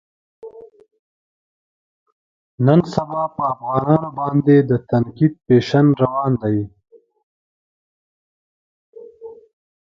نن سبا په افغانانو باندې د تنقید فیشن روان دی.